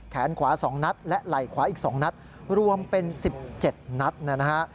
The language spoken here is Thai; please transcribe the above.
แขนขวา๒นัดและไหล่ขวาอีก๒นัดรวมเป็น๑๗นัดนะฮะ